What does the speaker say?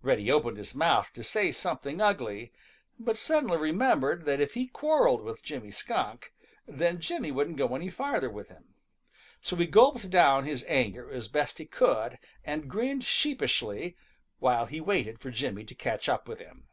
Reddy opened his mouth to say something ugly, but suddenly remembered that if he quarrelled with Jimmy Skunk, then Jimmy wouldn't go any farther with him. So he gulped down his anger as best he could and grinned sheepishly while he waited for Jimmy to catch up with him.